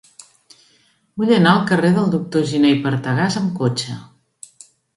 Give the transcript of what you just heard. Vull anar al carrer del Doctor Giné i Partagàs amb cotxe.